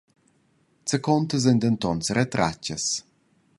Zacontas ein denton seretratgas.